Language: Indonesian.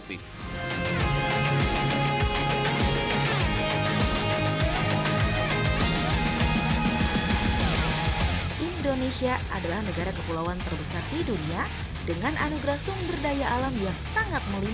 harus disertai kerja kerja bangsa kita yang perlu